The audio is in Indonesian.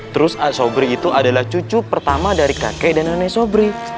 terus sobri itu adalah cucu pertama dari kakek dan nenek sobri